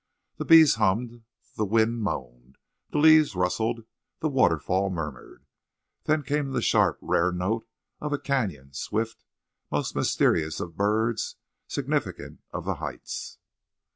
The bees hummed, the wind moaned, the leaves rustled, the waterfall murmured. Then came the sharp rare note of a canyon swift, most mysterious of birds, significant of the heights.